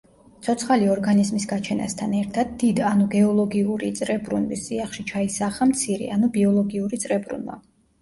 ცოცხალი ორგანიზმის გაჩენასთან ერთად, დიდ ანუ გეოლოგიური წრებრუნვის წიაღში ჩაისახა მცირე, ანუ ბიოლოგიური წრებრუნვა.